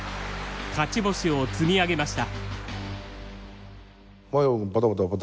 勝ち星を積み上げました。